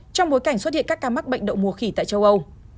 trong bối cảnh xuất hiện các ca mắc bệnh đậu mùa khỉ tại châu âu